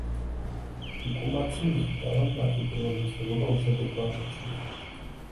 გუკუმაცი მიხვდა, რომ მათი პირველი მცდელობა უშედეგო აღმოჩნდა.